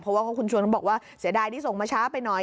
เพราะว่าคุณชวนเขาบอกว่าเสียดายที่ส่งมาช้าไปหน่อย